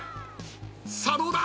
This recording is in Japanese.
さあどうだ？